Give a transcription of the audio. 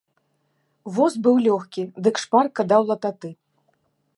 Воз быў лёгкі, дык шпарка даў лататы.